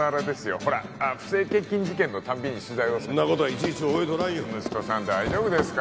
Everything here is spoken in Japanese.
ほら不正献金事件のたびに取材をそんなこといちいち覚えとらん息子さん大丈夫ですか？